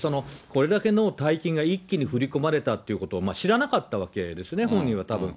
これだけの大金が一気に振り込まれたということを知らなかったわけですね、本人はたぶん。